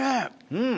うん。